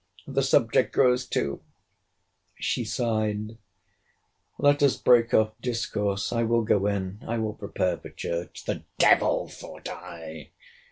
The subject grows too—She sighed—Let us break off discourse—I will go in—I will prepare for church—[The devil! thought I.